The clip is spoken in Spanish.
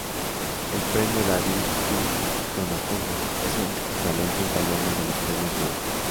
El premio David di Donatello es el equivalente italiano de los Premios Goya.